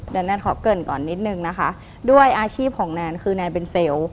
เดี๋ยวแนนขอเกินก่อนนิดนึงนะคะด้วยอาชีพของแนนคือแนนเป็นเซลล์